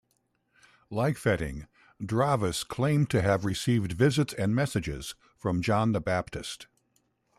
Like Fetting, Draves claimed to have received visits and messages from John the Baptist.